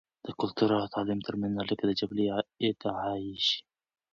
د کلتور او تعليم تر منځ اړیکه د جګړې ادعایی شې.